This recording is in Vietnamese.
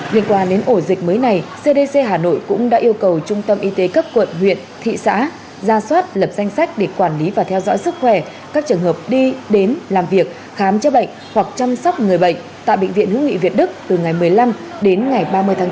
liên quan đến ổ dịch mới này cdc hà nội cũng đã yêu cầu trung tâm y tế các quận huyện thị xã ra soát lập danh sách để quản lý và theo dõi sức khỏe các trường hợp đi đến làm việc khám chữa bệnh hoặc chăm sóc người bệnh tại bệnh viện hữu nghị việt đức từ ngày một mươi năm đến ngày ba mươi tháng bốn